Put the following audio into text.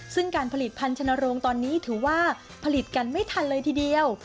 ซึ่งการผลิตภัณฑ์ชนโรงตอนนี้ถือว่าผลิตกันไม่ทันเลยทีเดียว